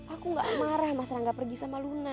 aku gak marah mas rangga pergi sama luna